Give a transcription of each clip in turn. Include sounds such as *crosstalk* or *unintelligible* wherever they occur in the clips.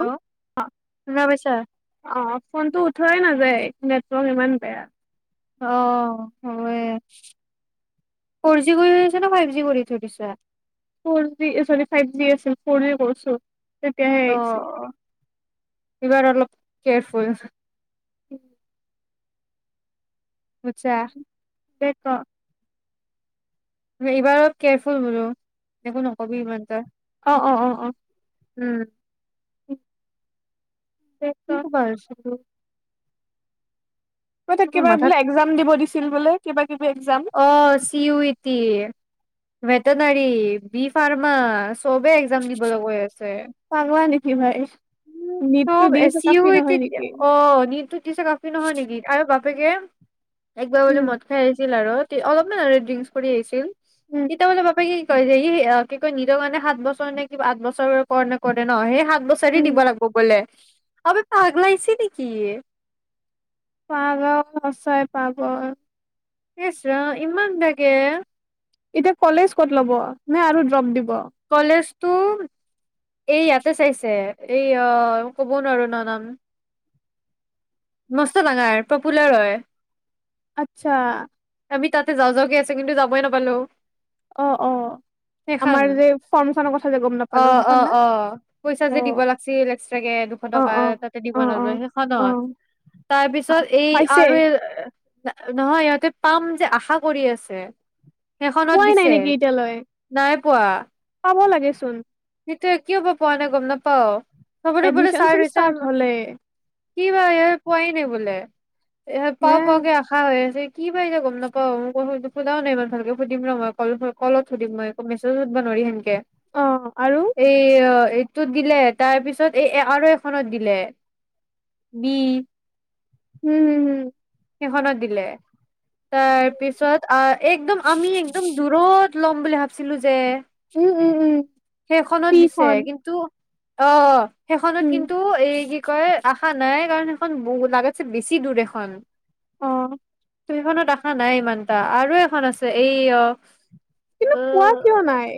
Hello অ', শুনা পাইছা? অ', ফোনটো উঠোৱা নাযা যায় নেটৱৰ্ক ইমান বেয়া। অ। হয়। ফৰ জি কৰি থৈছা নে? ফাইভ জি কৰি থৈ দিছা? ফৰজি চৰি ফাইভজি আছিল ফৰজি কৰিছোঁ। তেতিয়াহে আহিছে। অ' এইবাৰ অলপ কেয়াৰফুল। *unintelligible* আচ্ছা *unintelligible* এইবাৰ অলপ কেয়াৰফুল বোলো একো নকবি ইমানতা অ', অ', অ', অ'। উম। দে ক। কি কবা আৰু তোক মোৰ কিবা মাথাত একজাম দিব দিছিল বোলে? কিবা কিবি একজাম। ভেটনাৰী বি ফাৰ্মাচ চবে একজাম দিবলৈ গৈ আছে। *unintelligible* উ নিটটো চব দি এ আছোঁ, চি ইউ কাফি ই টি নহয় নেকি? অ', নিতটো দিছে কাফি নহয় নেকি? আৰু বাকী *unintelligible* একবাৰ বোলে উম, মদ খাই আহিছিল আৰু অলপমান আৰু ড্ৰিংকছ কৰি আহিছিল। উম, তেতিয়া মানে বাপেকে কয় যে ই কি কয় নিজৰ কাৰণে সাত বছৰ নে কিবা আঠ বছৰ কৰ নে কৰে ন সেই সাত বছৰে উম। দিব লাগিব বলে আব পাগলাগাইছে নেকি! পাব সঁচাই পাব ইচ্ ৰাম ইমান বেয়াকে এতিয়া কলেজ ক'ত ল'ব নে আৰু ড্ৰপ দিব কলেজ তো এই ইয়াতে চাইছে এই অ ক'ব নোৱাৰো ন নাম। মস্ত ডাঙাৰ পপুলাৰ হয় আচ্ছা। আমি তাতে যাও যাওকে আছো কিন্তু যাবই নাপালো। অ', অ'। সেইখন আমাৰ যে ফৰ্মখনৰ কথা যে গম অ নাপালোঁ, অ সেইখন না? অ পইচা যে অ'। দিব লাগিছিল এক্সট্ৰাকে দুশ অ টকা অ তাতে দিব অ অ নলো অ সেইখনত তাৰ পিছত এই পাইছে আৰু নহয় ইহঁতে পাম যে আশা কৰি আছে। সেইখনত পোৱাই নাই দিছে নেকি এতিয়ালৈ নাই পোৱা। দেচোন সেইটোৱে কিয় বা পোৱা নাই গম নাপাও। চবতে বোলে এডমিশন চাৰ্জ চোন হৈছে ষ্টাৰ্ট হলে কি বা পোৱাই নাই বোলে পাও হে পাও কে আশা হৈ আছে। কি বা এতিয়া গম নাপাও মোক সোধাও নাই ইমান ভালকে সুধিম ন মই কলত সুধিম মই একো মেছেজোধ নোৱাৰ সেনকে অ আৰু এই এইটোত দিলে তাৰপিছত এই আৰু এখনত দিলে বি *inaudible* উম হম হম। সিখনত দিলে তাৰপিছত আ একদম আমি একদম দূৰত। ল'ম বুলি ভাবিছিলো যে। হম হম উম উম উম পি সেইখনত দিছে খন কিন্তু অ অ। সেইখনত উম কিন্তু এই কি কয় আশা নাই কাৰণ সেইখন ম লাগাতছে বেছি দূৰ এখন। অ তুমিখনত আশা নাই ইমানটা আৰু এখন আছে এই অ কিন্তু অ পোৱা কিয় নাই।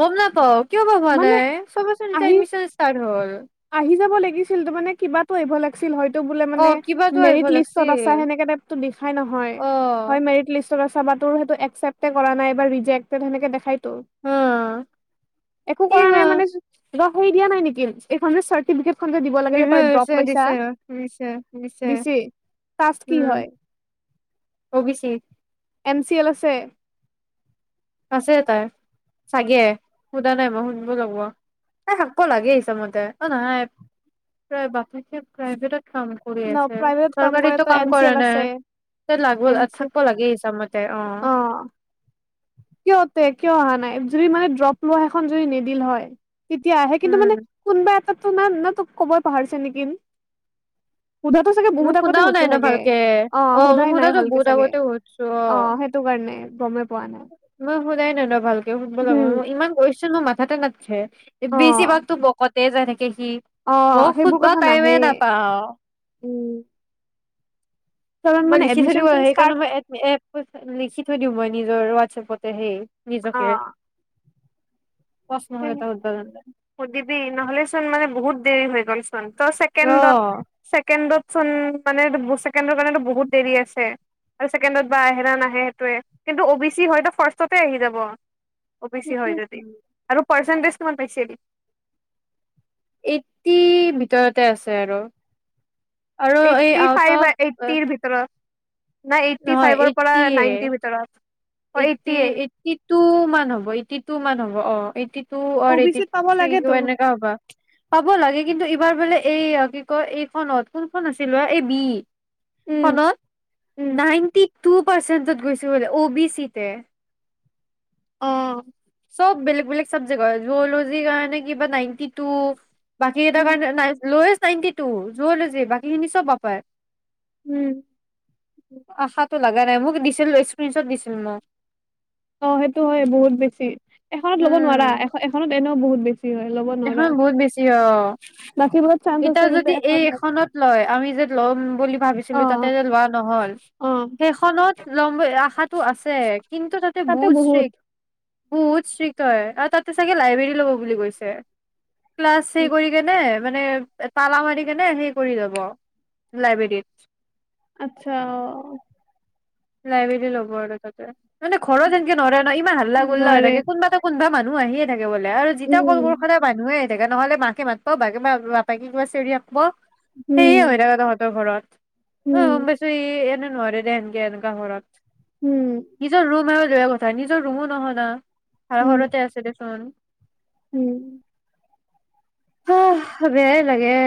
গম নাপও। কিয় বা হোৱা মানে নাই চবেচোন এতিয়া আহি এডমিচন ষ্টাৰ্ট হল। আইভো লাগছিল হয় তোক বোলে অ মানে কিবাতো আহিব মেৰিদ লিষ্টত আছা, লাগছিল হেনেকুৱা টাইপ টো লিখাই নহয়, অ হয় মেৰিদ লিষ্ট সিটো সেইটো একচেপটে কৰা নাই বা ৰিজেক্টে সেনেকে দেখাই ত হা একোঁ কৰা কিবা নাই মানে বা সেই দিয়া নাই নেকি এইখন চাৰ্টিফিকেট যে দিব লাগে যে ড্ৰপ দিছে লৈছা দিছে দিছে দিছে দিছি কাষ্ট কি হয় অবিচি এন চি এল আছে আছে তাই চাগে সোধা নাই মই শুনিব লাগিব ত শাকব লাগে হিচামতে অ নহাই প্ৰাইভেটত কাম কৰি ন আছে প্ৰাইভেট কাম কৰে চৰকাৰীটো ত কাম এম চি কৰা এল আছে নাই লাগ এম চি থাকিব লাগে হিচাপতে অ কিয়তে কিয় অহা নাই যদি মানে ড্ৰপ লোৱা এখন যদি নিদিল হয় তেতিয়া আহে কিন্তু মানে উম কোনোবা এ তাতো নাই না তোক ক'বই পাহৰিছে নেকি সোধাতো চাগে বহুত মোক আগতে সোধাও সুধছে নাই ন চাগে ভালকে অ মোক সোধাই নাই সোধাতো ভালকে বহুত চাগে আগতে সুধছো অ সেইটো কাৰণে গমেই পোৱা নাই মই সুদাই ন ন ভাল ব লাগিব উম মই ইমান গৈছো নো মা চতে লাগে অ বেছিভাগতো বকত তেজ য হি অ মই সেইবোৰ সুধব কথা টাইমে নাহে নাপাওঁ উম কাৰণ মই মানে লিখি থৈ এডমিশন দিওঁ চোন ষ্টাৰ্ট সেইকাৰণে মই এ লিখি থৈ দিওঁ মই নিজ জ ৱাথাসাপতে সেই নিজকে প্ৰশ্ন এটা সুধব জানলে সধিবি নহ'লেচোন মানে বহুত দেৰি হৈ গ'ল অ ছেকেন্ডত ছেকেন্ডত *unintelligible* অ ব চি হয় যদি সেইটোৱেটো পাৰ্চেন্তিজ কিমান পাইছিল এইটটি ভিতৰতে আছে আৰু আৰু এই এইটটি আউট ফাইভ অফ এইট্টিৰ ভিতৰত না এইটটি নহয় ফাইভৰ পৰা এইটটি নাইনটিৰ ভিতৰত অ' এইটট এইটটিয়ে এইটটি টু মান হ'ব এইটটি টু মান হ'ব অ অ এই টো ৱান অ' বি এইটি চিত পাব থ্ৰী লাগেতো এনেকা হব। পাব লাগে কিন্তু এইবাৰ বোলে এইয়া কি কয় এইখনত কোনখন আছিল বা এই বি। উম খনত। উম নাইনটি। টু পাৰ্চেণ্টত গৈছো বোলে, অ বি চিতে। অহ', চব বেলেগ বেলেগ চাবজেক্ট হয়। জু'লজিৰ কাৰণে কিবা নাইনটি টু। বাকী কেইটাৰ উম কাৰণে নাই লৈ *unintelligible* নাইনটি টু জু'লজি। বাকীখিনি চব বাপায়। উম', আশাটো লাগা নাই। মোক দিছিল স্ক্ৰীণশ্বত দিছিল মোক। অ সেইটো হয় বহুত বেছি। এখনত ল'ব নোৱাৰা, এখন - এখনত এনেও বহুত বেছি। হয় ল'ব উম', নোৱাৰা এখনত বহুত বেছি অহ',। বাকীবোৰত চান্স এতিয়া আছে কিন্তু যদি এই এখন এখনত লয় আমি যে ল'ম বুলি অ ভাবিছিলো তাতে যে লোৱা নহল। অ সেইখনত ল'ম আশাত টো আছে, কিন্তু তাতে বহুত ষ্ট্ৰিক। বহুত ষ্ট্ৰিক হয় আৰু তাতে চাগে লাইব্ৰেৰী ল'ব বুলি কৈছে। হে। ক্লাছ শেই কৰিকিনে। মানে তালা মাৰি কেনে সেই কৰি যাব, লাইব্ৰেৰীত। আচ্ছা, অহ',। লাইব্ৰেৰী ল'ব আৰু তাতে। মানে ঘৰত যেনকে নৰে অহ', ইমান হাল্লা গুল্লা হয় নোৱাৰে থাকে কোনবাটো কোনবা মানুহ অহ', আহিয়ে থাকে। বোলে আৰু যেতিয়া কল উম কৰোঁ সদাই *unintelligible* হেইগাল নহলে মাকে মাতবাও *unintelligible* উম সেয়ে হৈ থাকে তহঁতৰ ঘৰত। উম গম পাইছোঁ এই *unintelligible* অহ *unintelligible* ঘৰত। উম নিজৰ ৰুম আৰু। *unintelligible* কথা নিজৰ ৰুমো নহয় না। হয়', উম ঘৰতে আছে দেচোন। উম', হুহ', বেয়াই লাগে।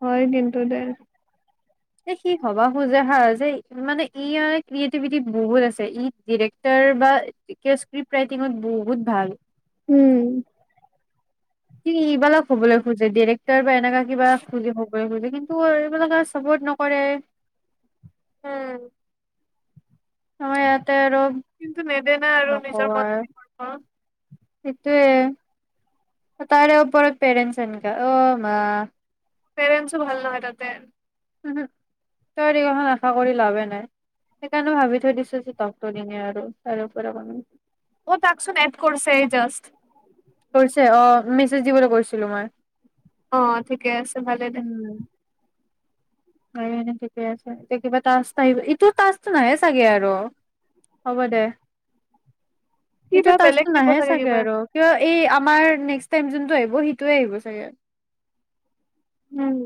হয় দিম। ষ্টুডেণ্ট এ সি হবা খোজে হা, যে মানে ই ক্ৰিয়েটিভিটিত বহুত আছে ই ডিৰেক্টৰ বা ক স্ক্ৰিপট ৰাইটিঙত বহুত ভাল। উম। সি এইবালাক হ'বলৈ খোজে ডিৰেক্টৰ বা এনেকা কিবা কিন্তু এইবিলাকে চাপৰ্ট নকৰে। উম। আমাৰ ইয়াতে আৰু কিন্তু নেদে না আৰু নিজৰ মতে *unintelligible* সেইটোৱে। তাৰে ওপৰত পেৰেণ্টচ এনেকা, অ' মা। পেৰণ্টছও ভাল নহয় তাতে। *unintelligible* আশা কৰি লাভে নাই, সেইকাৰণে ভাবি থৈ দিছো যে *unintelligible* অ' তাকচোন এদ কৰিছে এ জাস্ত। কৰিছে অ' মেছেজ দিবলৈ কৈছিলো মই। অ' ঠিকে আছে। ভালে দে উম। *unintelligible* এনে ঠিকে আছে, এতিয়া কিবা তাস আহিব ইটো তাস নাহে চাগে আৰু, হ'ব দে। এইটো কিবা বেলেগ টাস্কটো দিব নাহে চাগে কিবা আৰু কিয় এই আমাৰ নেক্স *unintelligible* যোনটো আহিব চাগে সিটোয়ে আহিব চাগে। উম।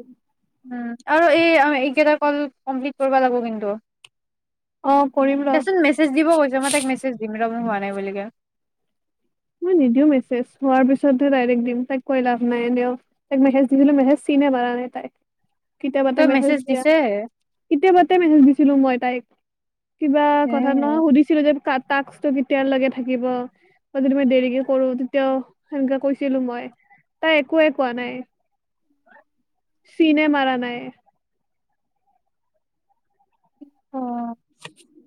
উম, আৰু এই আম, এইকেইটা কল কমপ্লিট কৰিব লাগিব কিন্তু। অ কৰিম ৰ তাৰপিছত মেছেজ দিব কৈছে, মই তাইক মেছেজ দিম *unintelligible* নাই বুলিকে। মই নিদিও মেছেজ হোৱাৰ পিছত হে ডাইৰেক্ট দিম, তাইক কৈ লাভ নাই এনেও, তাইক মেছেজ দিছিলো মেছেজ চীন এ মাৰা নাই তাই। তই কেতিয়াবাতে মেছেজ দিয়া, দিছে কেতিয়াবাতে মেছেজ দিছিলো মই তাইক। কিবা এ কথাত নহয় সুধিছিলো যে কাত তাস্কটো কেতিয়াৰ লৈকে থাকিব। যদি মই দেৰিকে কৰো তেতিয়াও সেনেকা কৈছিলো মই, তাই একোৱে কোৱা নাই, চিনে মাৰা নাই। অ'।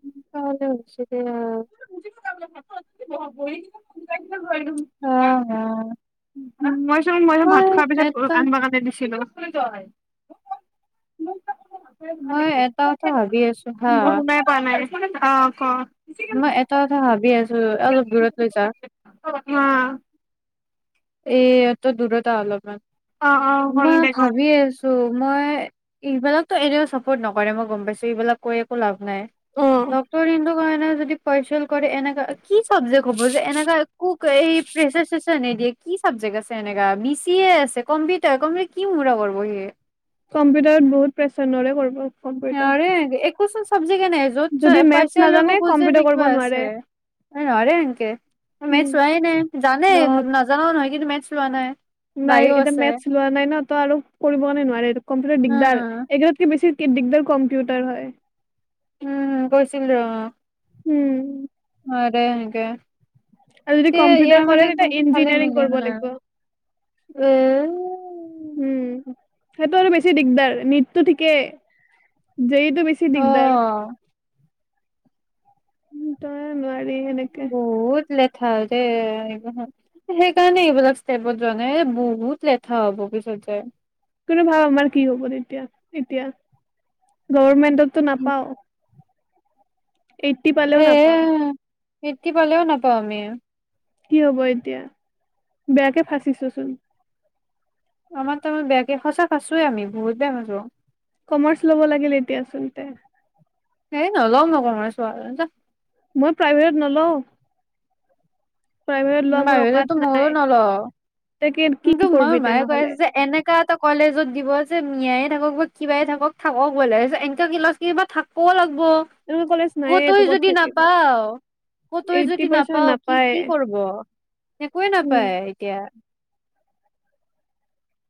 *unintelligible* *unintelligible* *unintelligible* *unintelligible* *unintelligible* *unintelligible* মই অ হা, *unintelligible* মই হে ভাত খোৱাৰ পিছত আনিবা কাৰণে দিছিলো। *unintelligible* মই এটা কথা ভাবি আছো। হা বহু নাই প নাই মানে *unintelligible* মই এটা কথা ভাব আছো অলপ দূৰত লৈ যা অ এ অত দূৰৰত অলপমান অ অ ম হ'ল মই দে গ'ল। ভাবি আছো মই ইবিলাকতো এনেও চাপৰ্ট নকৰে মই গম পাইছো ইবিলাক কৈ একো লাভ নাই অ ডক্তৰ *unintelligible* কোৱা এনে যদি ফচল কৰে এনেকা কি চাবজেক্ট হ'ব যে এনেকা কুক এই প্ৰেচাৰ চেচাৰ নিদিয়ে কি চাবজেক্ট আছে এনেকা বি চি এ আছে কম্পিউটাৰ কম্পিউটাৰ কি *unintelligible* *unintelligible* কম্পিউটাৰত বহুত প্ৰেচাৰ নৰে কৰিব কম্পিউটাৰ। *unintelligible* এক কোন চাবজেক্ট জ কে নাই য'ত যদি মেথছ পাইছেলব নাজানে খোজে কম্পিউটাৰ শিকা কৰিব আছে নোৱাৰে নৰে সেনকে ম উম। চোৱাই নাই জানে অ নাজানও নহ কিন্তু মেটছ লোৱা নাই নাই বায়ো এতিয়া আছে মেথছ লোৱা নাই ন ত আৰু কৰিব নে নোৱাৰে এটো কম্পিউটাৰ দিগদাৰ উম এইগিলতকে বেছি কি দিগদাৰ কম্পিউটাৰ হয় উম বইছিলিল অ উম *unintelligible* হেনকে আৰু যদি কম্পিউটাৰ কৰে তেতিয়া ফালে ইঞ্জিনিয়াৰিং মিলি কৰিব অহা নাই লাগিব এ উম সেইটো আৰু বেছি দিগদাৰ নেটটো ঠিকেই যেইট টো বেছি দিগদাৰ অ উম ত নোৱাৰি হেনেকে বহুত লেঠা দেই এই সেইকাৰণে এইবিলাক ষ্টেপত জোৱা নাই বহুত লেঠা হ'ব পিছত যে কোনো ভাব আমাৰ কি হ'ব তেতিয়া এতিয়া গমেন্টত টো নাপাও এইট্ৰি পালেও নাপাওঁ এইট্ৰি পালেও নাপাওঁ আমি কি হব এতিয়া বেয়াকে ফাচিছচোন আমাৰ ত আমাৰ বেয়াকে সঁচা কাছোয়ে আমি বহুত বেয়া ফছো কমাৰ্চ ল'ব লাগিল এতিয়া আচলতে সেই নলওঁ মই কমাৰ্চ *unintelligible* যা মই প্ৰাইভেটত নলওঁ প্ৰাইভেটত লোৱা *unintelligible* মোৰ অকাত মইয়ো নাই নলওঁ তাকে কি কিন্তু মোৰ কৰিবি মায়ে কৈ তেনেহ'লে আছে যে এনেকা এটা কলেজত দিবা যে মিয়াই থাকক বা কিবাই থাকক থাকক বলে এনেকা কি ল কিব থাকো লগ এনেকুৱা কলেজ নায়ে একো কতই ক'ত যদি থাকিব নাপাওঁ কতই এইটটি যদি পাৰ্চেন্ট নাপাওঁ কি নাপায়ে কি কৰিব একোৱে উম নাপায় এতিয়া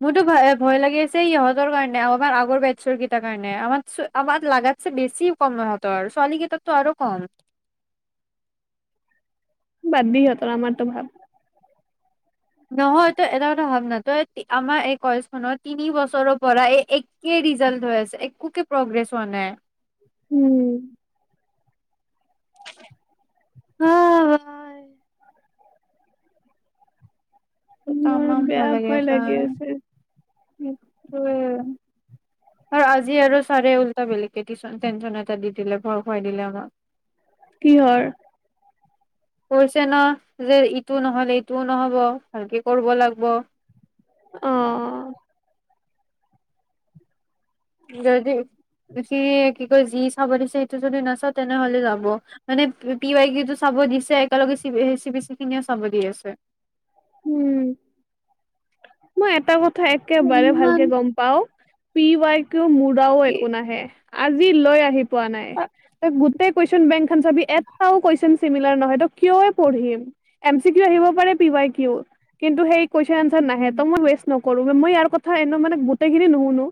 মোৰতো ভ ভয় লাগি আছে ইহঁতৰ কাৰণে আমাৰ আগৰ বেটছৰ কেইটাৰ কাৰণে আমাৰ আমাৰ লাগাতছে বেছি কম ইহঁতৰ ছোৱালী কেইটাতো আৰু কম বাদ দি সিহঁতৰ আমাৰ টো ভাব নহয় তই এটা কথা ভাৱ ন তই আমাৰ এই কলেজ খনৰ তিনি বছৰৰ পৰা এই একে ৰিজাল্ট হৈ আছে একে প্ৰগ্ৰেছ হোৱা নাই উম হয় ভাই মোৰ তামাম ভাল বেয়া লাগে ভয় আছ লাগি আছে আৰু আজি আৰু চাৰে ওল্টা বেলেকে টিন টেনচন এটা দি দিলে ভয় খুৱাই দিলে আমাক কিহ কৈছে ন যে ইটো নহলে ইটোও নহব ভালকে কৰিব লাগিব অ গতিকে সি কি কয় যি চাব দিছে সেইটো যদি নাচা তেনেহলে যাব মানে পি াই কিটো চাব দিছে একেলগে চি চি বি চি খিনিও চাব দি আছে উম মই এটা কথা তই একেবাৰে ইমান ভালকে গম পাও পি ৱাই কিয়ও মূৰাাও কি একো নাহে আজি লৈ আহিম পোৱা নাই ত গোটেই কুৱেশন বেং চি এটাও কুৱেশন নহয় কিয় পঢিম এম চি কিউ আহিব পাৰে পি বাই কিন্তু সেই কোৱেচন আনচাৰ নাহেটো উম পেছ নকৰো মই ইয়াৰ কথা গোটেইখিনি নুশুনো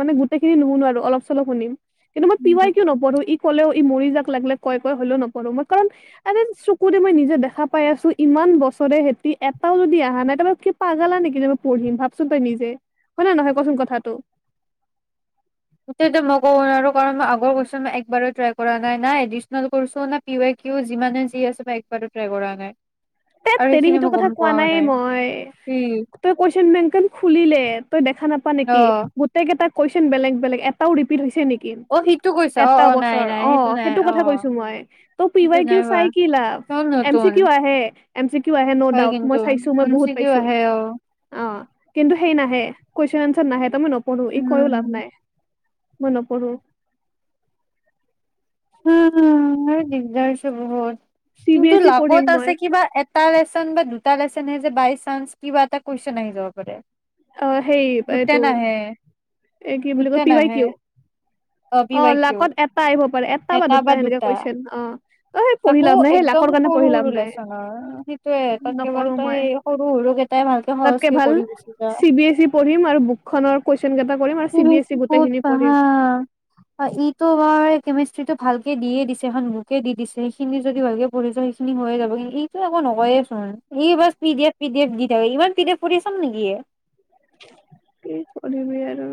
মানে গোটেইখিনি নুশুনো মানে অলপ চলপ শুনিম কিন্তু মই পি বাই কিউ নপঢ়ো কলেও ই মৰি যাক লাগিলে কয় কয় হলেও নপঢো মই কাৰণ এ চকুৰে মই নিজে দেখা পাই আছো ইমান বছৰে হঁতি এটাও যদি আহ হ নাই ত কিয় পাগালা নেকি মই পঢ়িম ভাবচোন তই নিজে হয় ন নহয় কচোন কথাটো *unintelligible* তেত আৰু তেৰি সেইখিনি সেইটো মই গম কথা কোৱা পোৱাও নাই মই কি তই কৈচ বেংখন খুলিলে তই দেখা নাপা অ নেকি গোটেই কেইটা কুৱেচন বেলেগ বেগ এটাও ৰিপিট হৈছে নেকি অ সিটো কৈছা অ এটা অ নাই বছৰ নাই অ নাই সেইটো অ কথা কৈছো মই ত পি সেইটো ৱাই কিউ নাই হোৱা চাই কি লাভ চব এম চি নতুন কিউ আহে এম চি কিউ আহে ন হয় ডাউট কিন্তু মই চাইছো মই এম চি বহুত কিউ পাইছো আহে অ অ কিন্তু সেই নাই কোৱেচন আনচাৰ নাহে কৰো ই কয়ো লাভ উম নাই বন পঢ়ো উম উম দিগদা হৈছে বহুত চি বি কিন্তু এছ ই লাভত পঢ়িম মই আছে কিবা এটা তাত এটা দুটা বাইচাঞ্চ কিবা এটা কোৱেচন আহি যাব পাৰে অ হেই গোটেই এইটো নাহে এই কি বুলি কয় গোটেই পি ৱাই নাহে কিউ পি অ বাই কিউ লাকত এটা আহিব পাৰে এটা বা সেনেকে দুটা কুৱেশন অ অ সেই পঢ়ি তাকো লাভ নাই সেই একদম লাকৰ কাৰণে সৰু পঢ়ি লাভ সৰু নাই লেচনৰ সেইটোয়ে তাত কেৱল নপঢ়ো তই মই সেই সৰু সৰুকেইটাই ভালকে সহজকে কৰি গছি যা চ বি এছ ই পঢ়িম আৰু বুকনৰ কোৱেছ স্কলাৰশ্বিপত পঢ়া ইটো বাৰু কেমিষ্ট্ৰিটো ভালকে দিয়ে দিছে এখন বুকে দি দিছে সেইখিনি যদি ভালকে পঢ়িছ সেইখিনি হৈয়ে যাব এইটো একো নকয়ে চোন এই বাৰ P D F P D F দি থাকে ইমান পি ডি এফ পঢ়ি চাম নেকি কি কৰিবি আৰু